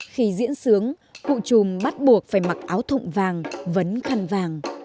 khi diễn sướng cụ trùm bắt buộc phải mặc áo thụng vàng vấn khăn vàng